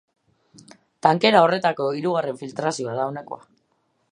Tankera horretako hirugarren filtrazioa da honakoa.